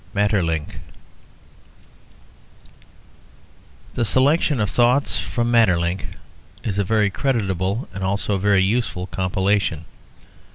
MAETERLINCK The selection of "Thoughts from Maeterlinck" is a very creditable and also a very useful compilation.